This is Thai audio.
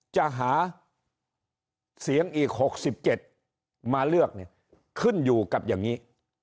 จะหาเสียงอีก๖๗มาเลือกเนี่ยขึ้นอยู่กับอย่างนี้